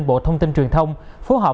bộ thông tin truyền thông phối hợp